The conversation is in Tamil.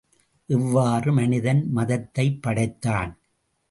இவ்வாறு மனிதன் மதத்தைப் படைத்தான்.